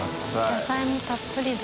野菜もたっぷりだ。